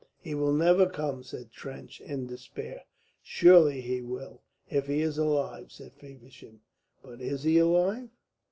"He will never come," said Trench, in despair. "Surely he will if he is alive," said Feversham. "But is he alive?"